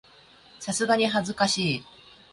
さすがに恥ずかしい